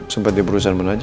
sempat di perusahaan mana aja